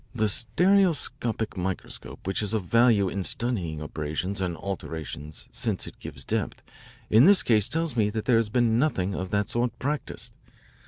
The stereoscopic microscope, which is of value in studying abrasions and alterations since it gives depth, in this case tells me that there has been nothing of that sort practised.